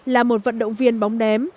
là một vận động viên bóng ném